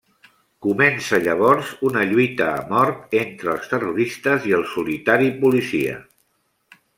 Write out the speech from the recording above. Comença llavors una lluita a mort entre els terroristes i el solitari policia.